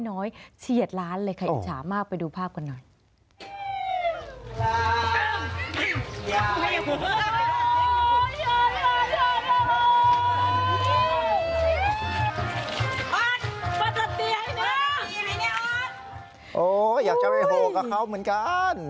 โอ๊ยอยากจะไปโหกับเขาเหมือนกัน